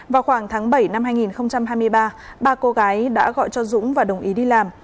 vào khoảng tháng bảy năm hai nghìn hai mươi ba ba cô gái đã gọi cho dũng và đồng ý đi làm